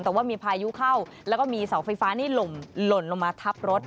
แต่ว่ามีพายุเข้าแล้วก็มีเสาไฟฟ้านี่หล่นลงมาทับรถ